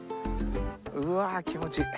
うわっ気持ちいい。